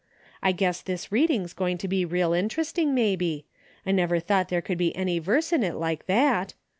I guess this reading's going to be real interesting, maybe. I never thought there could be any verse in it like that.